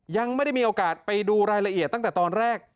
ยังไม่ได้มีโอกาสไปดูรายละเอียดตั้งแต่ตอนแรก